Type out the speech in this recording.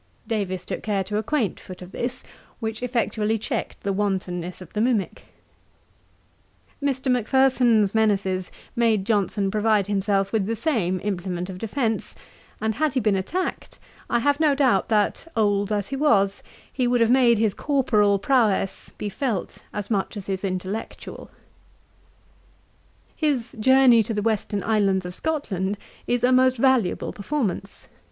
Davies took care to acquaint Foote of this, which effectually checked the wantonness of the mimick. Mr. Macpherson's menaces made Johnson provide himself with the same implement of defence; and had he been attacked, I have no doubt that, old as he was, he would have made his corporal prowess be felt as much as his intellectual. His Journey to the Western Islands of Scotland is a most valuable performance.